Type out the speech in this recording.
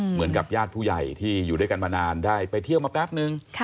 เหมือนกับญาติผู้ใหญ่ที่อยู่ด้วยกันมานานได้ไปเที่ยวมาแป๊บนึง